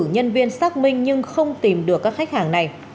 nhân viên xác minh nhưng không tìm được các khách hàng này